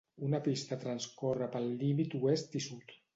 Una pista transcorre pel límit oest i sud.